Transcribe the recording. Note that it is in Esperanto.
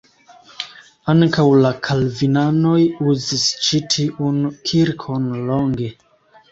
Ankaŭ la kalvinanoj uzis ĉi tiun kirkon longe.